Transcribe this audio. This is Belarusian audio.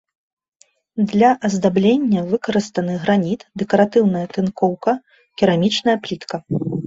Для аздаблення выкарыстаны граніт, дэкаратыўная тынкоўка, керамічная плітка.